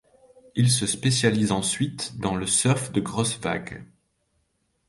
Il se spécialise ensuite dans le surf de grosse vagues.